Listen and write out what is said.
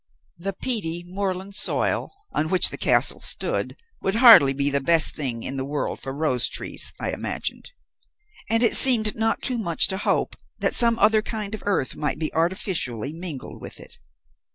The peaty moorland soil on which the castle stood would hardly be the best thing in the world for rose trees, I imagined, and it seemed not too much to hope that some other kind of earth might be artificially mingled with it.